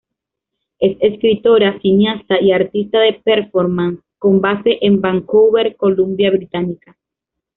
Es escritora, cineasta y artista de performance con base en Vancouver, Columbia Británica.